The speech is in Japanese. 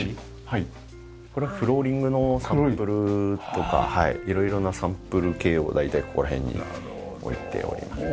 はいこれはフローリングのサンプルとか色々なサンプル系を大体ここら辺に置いております。